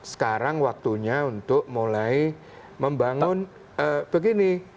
sekarang waktunya untuk mulai membangun begini